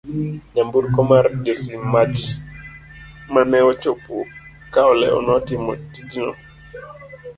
nyamburko mar josim mach maneochopo ka olewo notimo tijni